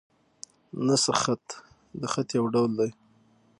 نسخ خط؛ د خط یو ډول دﺉ.